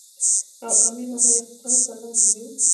او امیر محمد یعقوب خان او سردار محمد ایوب